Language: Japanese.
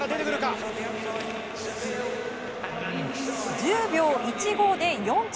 １０秒１５で４着。